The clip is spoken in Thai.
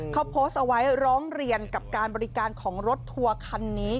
เขาโพสต์เอาไว้ร้องเรียนกับการบริการของรถทัวร์คันนี้